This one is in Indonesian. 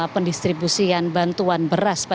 pendistribusian bantuan dan penyusupan